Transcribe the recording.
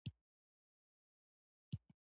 لیک نښې یو شمېر ځانګړې نښې دي.